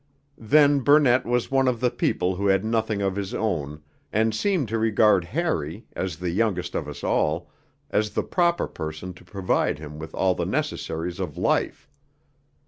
Then Burnett was one of the people who had nothing of his own, and seemed to regard Harry, as the youngest of us all, as the proper person to provide him with all the necessaries of life.